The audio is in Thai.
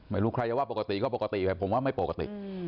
ไม่รู้ใครจะว่าปกติก็ปกติแต่ผมว่าไม่ปกติ